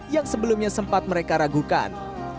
yang sebelumnya sempat mereka ragukan